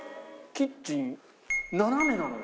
キッチン、斜めなのよ。